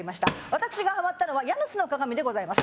私がハマったのは「ヤヌスの鏡」でございます